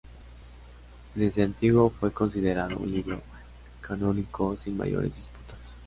Desde antiguo fue considerado un libro canónico sin mayores disputas.